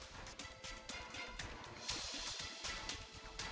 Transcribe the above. sampai jumpa di video selanjutnya